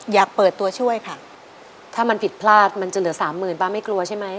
อยากเปิดตัวช่วยค่ะถ้ามันผิดพลาดมันจะเหลือสามหมื่นป้าไม่กลัวใช่ไหม